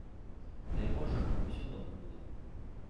Дай божа, каб усё добра было.